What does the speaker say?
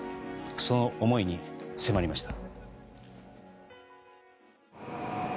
その思いに迫りました。